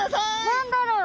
何だろう？